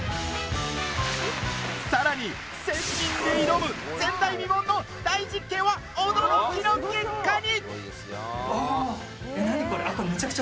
さらに１０００人で挑む前代未聞の大実験は驚きの結果に！